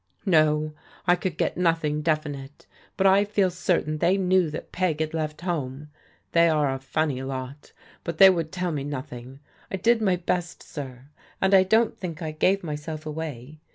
" No, I could get nothing definite, but I feel certain they knew that Peg had left home. They are a ftmny lot, but they would tell me nothing. I did my best, sir, and I don't think I gave myself away.